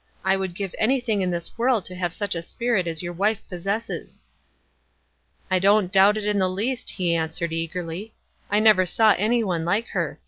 I would give anything in this world to have such a spirit as your wife possesses." "I don't doubt it in the least," he answered, eagerly. "I never saw any one like her.